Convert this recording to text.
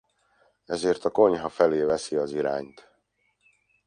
Ezért a konyha felé veszi az irányt.